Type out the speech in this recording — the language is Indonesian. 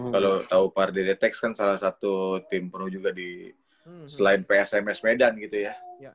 kalau tau pardere tex kan salah satu tim pro juga di selain psms medan gitu ya